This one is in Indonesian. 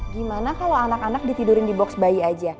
gimana kalau anak anak ditidurin di box bayi aja